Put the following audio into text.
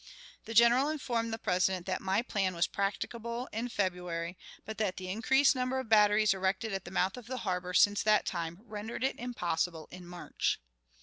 The General informed the President that my plan was practicable in February, but that the increased number of batteries erected at the mouth of the harbor since that time rendered it impossible in March.